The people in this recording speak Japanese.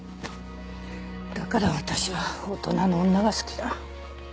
だから私は大人の女が好きだ。